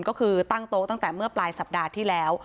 ก็คือตั้งโต๊ะตั้งแต่เมื่อปลายสัปดาห์ที่แล้ว